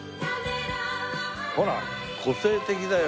ほら個性的だよ。